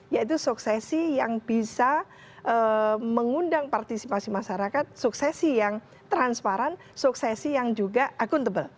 yaitu suksesi yang bisa mengundang partisipasi masyarakat suksesi yang transparan suksesi yang juga akuntabel